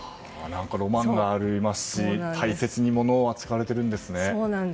ロマンがありますし大切に物を扱われているんですね。